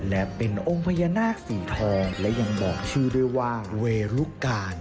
และเป็นองค์พญานาคสีทองและยังบอกชื่อด้วยว่าเวรุการ